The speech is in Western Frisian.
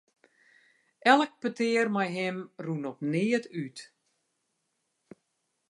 Elk petear mei him rûn op neat út.